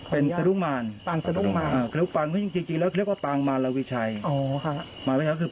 เป็นปางอะไรครับท่าน